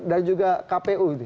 dan juga kpu